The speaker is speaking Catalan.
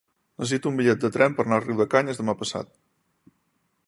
Necessito un bitllet de tren per anar a Riudecanyes demà passat.